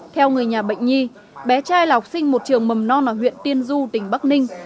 theo người nhà bệnh nhi bé trai là học sinh một trường mầm non ở huyện tiên du tỉnh bắc ninh